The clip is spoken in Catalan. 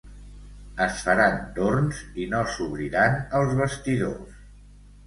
Es faran torns i no s’obriran els vestidors.